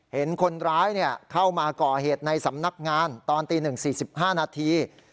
เห็นคนร้ายเข้ามาก่อเหตุในสำนักงานตอนตี๑๔๕นาที